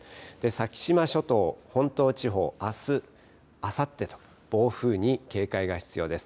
先島諸島、本島地方、あす、あさってと暴風に警戒が必要です。